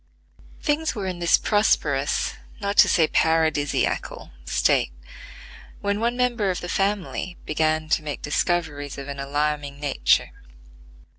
Things were in this prosperous, not to say paradisiacal, state, when one member of the family began to make discoveries of an alarming nature.